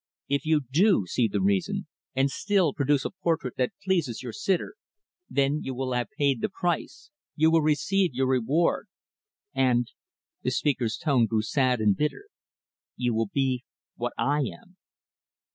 If you do see the reason, and, still, produce a portrait that pleases your sitter, then you will have paid the price; you will receive your reward; and" the speaker's tone grew sad and bitter "you will be what I am."